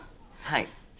はい。